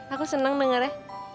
aku senang dengarnya